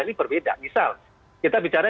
ini berbeda misal kita bicara